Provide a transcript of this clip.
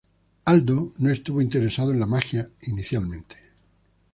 Aldo no estuvo interesado en la magia inicialmente.